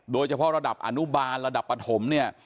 โดยเฉพาะระดับอนุบาลระดับปฐมเนี่ย